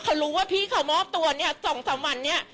เขารู้ว่าพี่เขามอบตัวเนี่ย๒๓วันเนี่ย